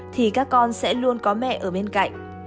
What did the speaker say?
thì các con sẽ luôn có mẹ ở bên cạnh